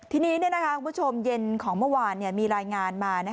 ทีนี้คุณผู้ชมเย็นของเมื่อวานมีรายงานมา